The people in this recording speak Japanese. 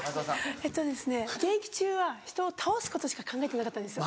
えっと現役中は人を倒すことしか考えてなかったんですよ。